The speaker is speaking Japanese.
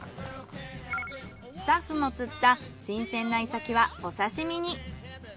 スタッフも釣った新鮮なイサキはお刺身に。